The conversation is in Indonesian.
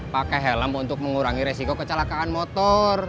pakai helm untuk mengurangi resiko kecelakaan motor